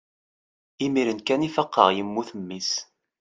imir-n kan i faqeɣ yemmut mmi-s